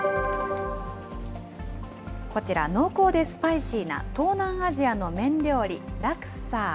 こちら、濃厚でスパイシーな東南アジアの麺料理、ラクサ。